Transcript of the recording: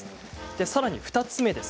さらに２つ目です。